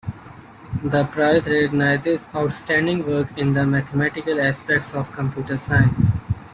The prize recognizes outstanding work in the mathematical aspects of computer science.